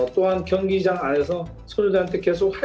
dan juga bisa terus berjuang di luar negara